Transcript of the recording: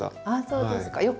あっそうですか。